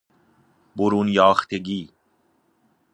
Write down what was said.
برون یاختگی